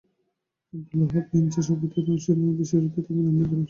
আবদুল ওয়াহ্হাব মিঞার সভাপতিত্বে অনুষ্ঠানে বিশেষ অতিথি থাকবেন আইনমন্ত্রী আনিসুল হক।